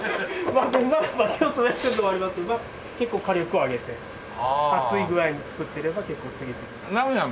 まあ手を素早くするのもありますけど結構火力を上げて熱い具合に作ってれば結構次々出せる。